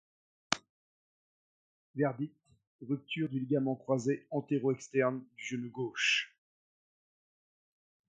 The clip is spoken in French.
Verdict, rupture du ligament croisé antéro-externe du genou gauche.